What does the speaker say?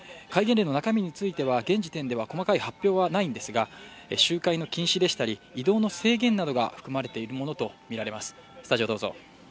戒厳令の中身については、現時点では細かい発表はないんですが、集会の禁止でしたり、移動の制限などが含まれているものとみられます。